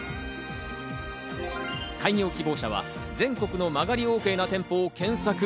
開業希望者は全国の間借りＯＫな店舗を検索。